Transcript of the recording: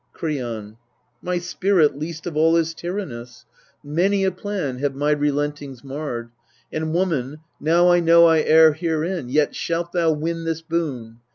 Kreon. My spirit least of all is tyrannous. MEDEA 255 Many a plan have my relentings marred : And, woman, now I know I err herein, Yet shalt thou win this boon.